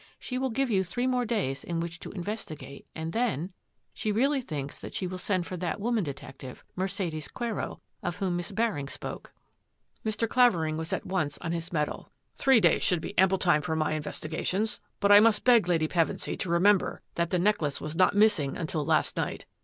She will give you t^ more days in which to investigate and then really thinks that she will send for that w detective, Mercedes Quero, of whom Miss spoke." ME. ROBERT SYLVESTER 89 Mr. Clavering was at once on his mettle. " Three days should be ample time for my investi gations. But I must beg Lady Pevensy to re member that the necklace was not missing until last night.